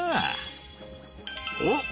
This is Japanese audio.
おっ！